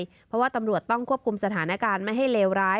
เพราะว่าตำรวจต้องควบคุมสถานการณ์ไม่ให้เลวร้าย